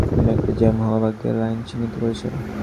তুমি একটা জ্যাম হওয়া ভাগ্যের লাইন চিহ্নিত করেছ।